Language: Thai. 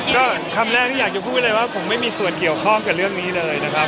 ก็คำแรกที่อยากจะพูดไว้เลยว่าผมไม่มีส่วนเกี่ยวข้องกับเรื่องนี้เลยนะครับ